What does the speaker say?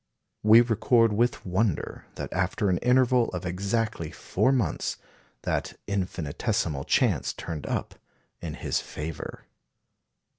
We record with wonder that, after an interval of exactly four months, that infinitesimal chance turned up in his favour.